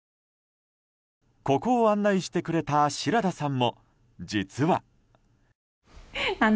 ここを案内してくれたシラダさんも実は。